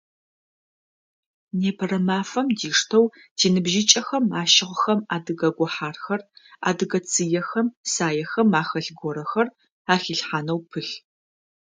Непэрэ мафэм диштэу тиныбжьыкӏэхэм ащыгъхэм адыгэ гухьархэр, адыгэ цыехэм, саехэм ахэлъ горэхэр ахилъхьанэу пылъ.